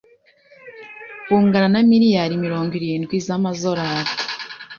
bungana na Miliyari mirongo irindwi z’amazorale